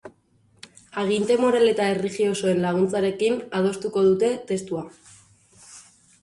Aginte moral eta erlijiosoen laguntzarekin adostuko dute testua.